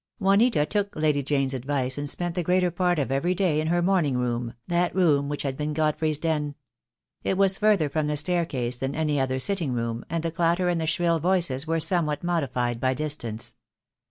Juanita took Lady Jane's advice and spent the greater part of every day in her morning room, that room which had been Godfrey's den. It was further from the stair case than any other sitting room, and the clatter and the shrill voices were somewhat modified by distance.